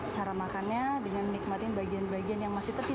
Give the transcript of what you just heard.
cara makannya dengan menikmatkan bagian bagian yang masih tetis